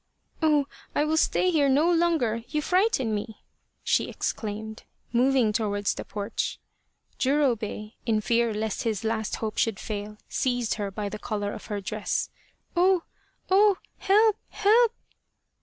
" Oh, I will stay here no longer. You frighten me !" she exclaimed, moving towards the porch. Jurobei, in fear lest his last hope should fail, seized her by the collar of her dress. " Oh, oh, help, help